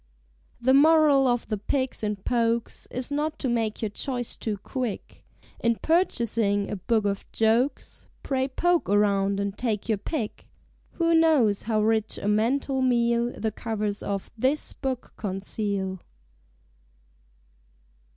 The Moral of The Pigs and Pokes Is not to make your choice too quick. In purchasing a Book of Jokes, Pray poke around and take your pick. Who knows how rich a mental meal The covers of this book conceal?